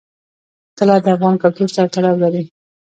طلا د افغان کلتور سره تړاو لري.